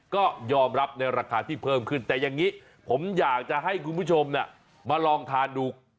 ก็ยอมรับในราคาที่เพิ่มขึ้นแต่อย่างนี้ผมอยากจะให้คุณผู้ชมมาลองทานดู